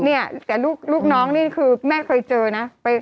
เนี่ยแต่ลูกน้องนี่คือแม่เคยเจอนะ